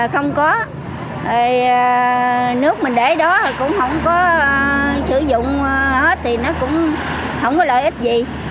không có nước mình để đó cũng không có sử dụng thì nó cũng không có lợi ích gì